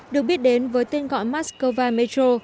được biết đến với tên gọi moscow metro